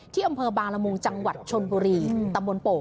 ที่อำเภอบางละมุงจังหวัดชนบุรีตำบลโป่ง